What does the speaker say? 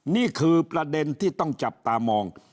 นี่คือประเด็นที่ต้องจับตามอง